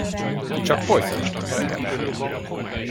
Csak folytasd, öregem!